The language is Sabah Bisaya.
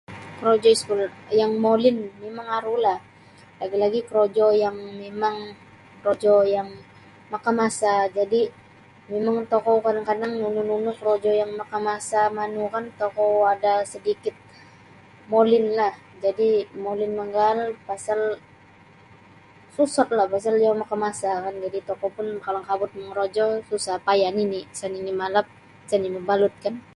Korojo iskul yang molin mimang arulah lagi-lagi korojo yang mimang korojo yang makamasa jadi mimang tokou kadang-kadang nunu nunu korojo yang makamasa manu kan tokou ada sedikit molinlah jadi molin mengaal pasal susahlah sebab iyo makamasa kan jadi tokou pun kalang kabut mongorojo susah paya nini sa nini malap sa nini mabalut kan.